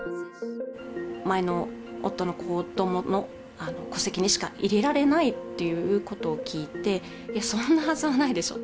前の夫の戸籍にしか入れられないっていうことを聞いて、そんなはずはないでしょうと。